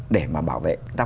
để mà bảo vệ